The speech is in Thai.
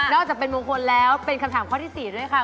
อกจากเป็นมงคลแล้วเป็นคำถามข้อที่๔ด้วยค่ะ